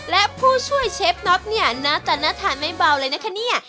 และผู้ช่วยเชฟน็อตเนี่ยน่าจะน่าทานไม่เบาเลยนะคะเนี่ย